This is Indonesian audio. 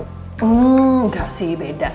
hmm enggak sih beda